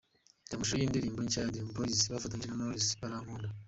Reba amashusho y’indirimbo nshya ya Dream Boys bafatanyije na Knowless " Baramponda".